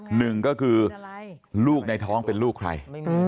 หนึ่งก็คือลูกในท้องเป็นลูกใคร